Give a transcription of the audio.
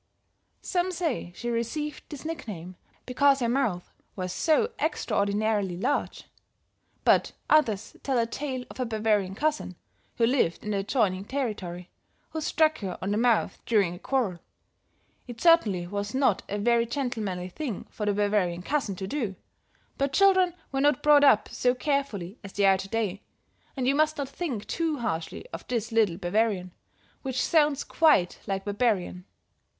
Some say she received this nickname because her mouth was so extraordinarily large; but others tell a tale of her Bavarian cousin, who lived in the adjoining territory, who struck her on the mouth during a quarrel. It certainly was not a very gentlemanly thing for the Bavarian cousin to do, but children were not brought up so carefully as they are to day, and you must not think too harshly of this little Bavarian, which sounds quite like barbarian.